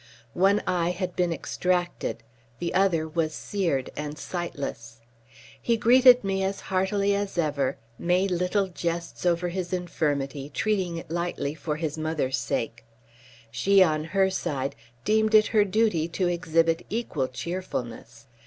One eye had been extracted. The other was seared and sightless. He greeted me as heartily as ever, made little jests over his infirmity, treating it lightly for his mother's sake. She, on her side, deemed it her duty to exhibit equal cheerfulness.